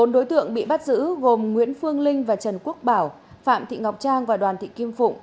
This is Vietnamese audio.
bốn đối tượng bị bắt giữ gồm nguyễn phương linh và trần quốc bảo phạm thị ngọc trang và đoàn thị kim phụng